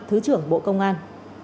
thứ trưởng bộ công an